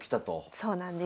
そうなんです。